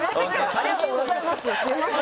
ありがとうございます。